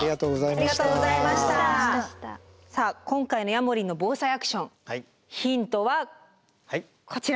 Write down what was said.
さあ今回のヤモリンの「ＢＯＳＡＩアクション」ヒントはこちらです。